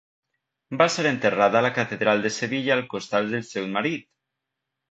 Va ser enterrada a la catedral de Sevilla al costat del seu marit.